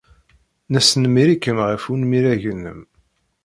Nesnemmir-ikem ɣef unmireg-nnem.